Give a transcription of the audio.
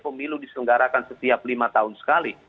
pemilu diselenggarakan setiap lima tahun sekali